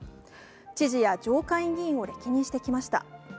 知事や上下院議員を歴任してきました。